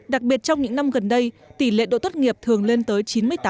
đặc biệt trong những năm gần đây tỷ lệ độ tốt nghiệp thường lên tới chín mươi tám